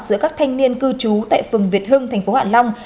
giữa các thanh niên cư trú tại phường việt hưng tp hạ long